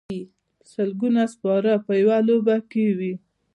سلګونه سپاره په یوه لوبه کې وي.